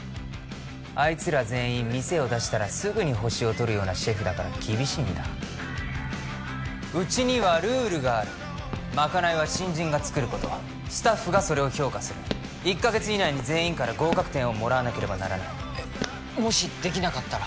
あいつら全員店を出したらすぐに星をとるようなシェフだから厳しいんだうちにはルールがあるまかないは新人が作ることスタッフがそれを評価する１カ月以内に全員から合格点をもらわなければならないえっもしできなかったら？